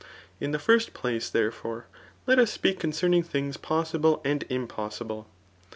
fai the first phce, therefore, let us speak conceroii^ things possible and impossible.